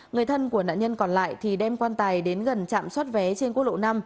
người thân của nạn nhân còn lại thì đem quan tài đến gần trạm xoát vé trên quốc lộ năm